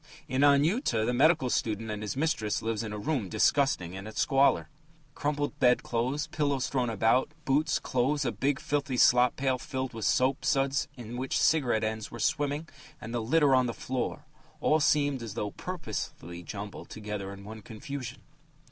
In Anyuta, the medical student and his mistress live in a room disgusting in its squalor: Crumpled bed clothes, pillows thrown about, boots, clothes, a big filthy slop pail filled with soap suds in which cigarette ends were swimming, and the litter on the floor all seemed as though purposely jumbled together in one confusion....